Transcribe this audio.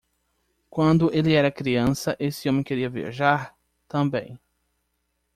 Quando ele era criança, esse homem queria viajar? também.